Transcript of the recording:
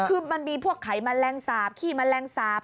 คือมันมีพวกไขมันแรงสาปขี้มันแรงสาป